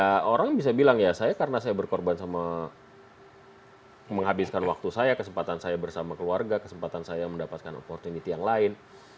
ya orang bisa bilang ya saya karena saya berkorban sama menghabiskan waktu saya kesempatan saya bersama keluarga kesempatan saya mendapatkan opportunity yang lain